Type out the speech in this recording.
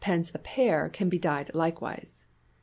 a pair can be dyed likewise.